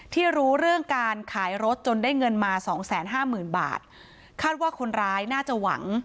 รู้เรื่องการขายรถจนได้เงินมาสองแสนห้าหมื่นบาทคาดว่าคนร้ายน่าจะหวัง